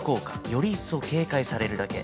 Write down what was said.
より一層警戒されるだけ。